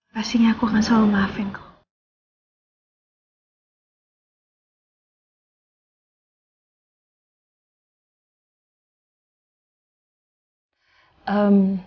pastinya aku akan selalu maafin kok